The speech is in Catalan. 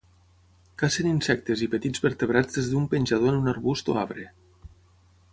Cacen insectes i petits vertebrats des d'un penjador en un arbust o arbre.